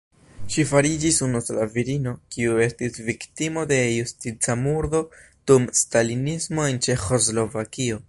Ŝi fariĝis unusola virino, kiu estis viktimo de justica murdo dum stalinismo en Ĉeĥoslovakio.